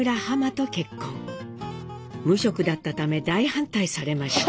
無職だったため大反対されました。